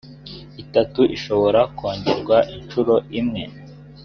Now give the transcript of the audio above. itatu ishobora kongerwa inshuro imwe